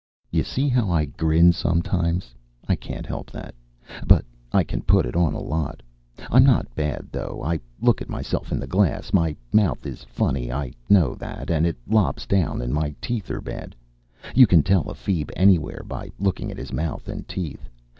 You see how I grin sometimes. I can't help that. But I can put it on a lot. I'm not bad, though. I look at myself in the glass. My mouth is funny, I know that, and it lops down, and my teeth are bad. You can tell a feeb anywhere by looking at his mouth and teeth.